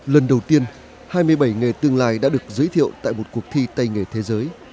lần đầu tiên hai mươi bảy nghề tương lai đã được giới thiệu tại một cuộc thi tay nghề thế giới